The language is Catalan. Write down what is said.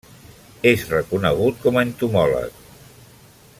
És reconegut com a entomòleg.